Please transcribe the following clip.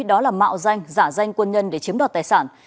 đó là mạo danh giả danh quân nhân để chiếm đoạt tài sản